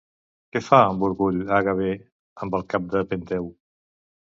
Què fa amb orgull Agave amb el cap de Penteu?